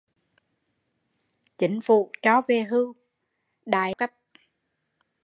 Chính phủ cho về hưu đại loạt các công chức cao cấp